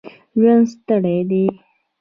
ژوند ستړی دی